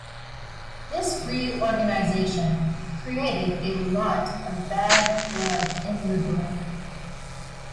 This reorganization created a lot of bad blood in Liberec.